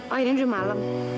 oh ini udah malam